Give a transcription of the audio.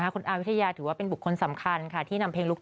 คุณอาวิทยาถือว่าเป็นบุคคลสำคัญค่ะ